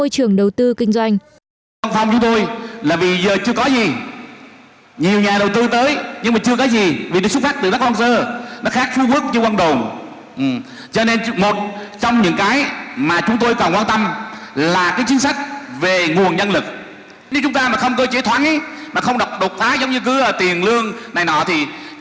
các nhà đầu tư kinh doanh